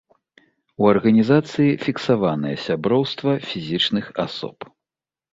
У арганізацыі фіксаванае сяброўства фізічных асоб.